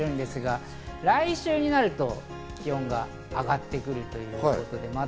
来週になると気温が上がってくるということで。